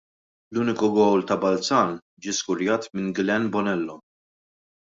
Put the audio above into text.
L-uniku gowl ta' Balzan ġie skurjat minn Glenn Bonello.